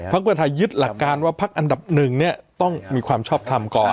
เพื่อไทยยึดหลักการว่าพักอันดับหนึ่งเนี่ยต้องมีความชอบทำก่อน